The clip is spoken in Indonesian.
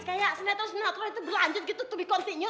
kayak sinetron sinetron itu berlanjut gitu